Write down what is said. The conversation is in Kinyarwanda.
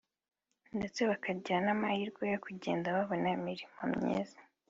ndetse bakagira n’amahirwe yo kugenda bobona imirimo myiza